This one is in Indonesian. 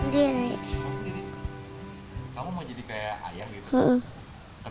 kenapa sih kan berat